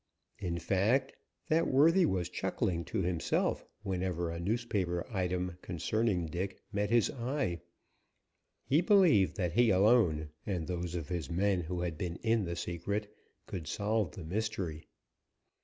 In fact, that worthy was chuckling to himself, whenever a newspaper item concerning Dick met his eye. He believed that he alone, and those of his men who had been in the secret, could solve the mystery.